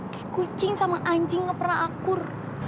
kayak kucing sama anjing gak pernah akur